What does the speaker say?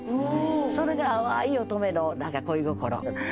それが淡い乙女の恋心。